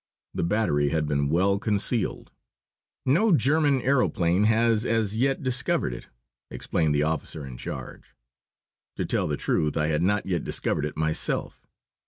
The battery had been well concealed. "No German aëroplane has as yet discovered it," explained the officer in charge. To tell the truth, I had not yet discovered it myself.